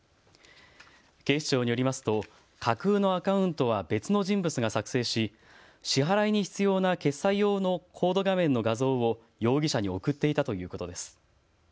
警視庁によりますと架空のアカウントは別の人物が作成し、支払いに必要な決済用のコード画面の画像を容疑者に送っていたということです。